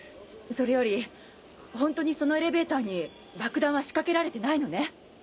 それよりほんとにそのエレベーターに爆弾は仕掛けられてないのね？